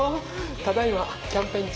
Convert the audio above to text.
ただいまキャンペーン中。